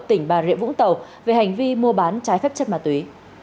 tỉnh bà rịa vũng tàu về hành vi mua bán trái phép chất ma túy